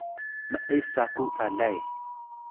m’es caku calay